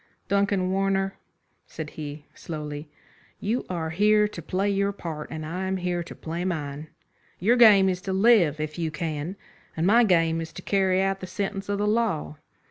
"Duncan Warner," said he, slowly, "you are here to play your part, and I am here to play mine. Your game is to live if you can, and my game is to carry out the sentence of the law.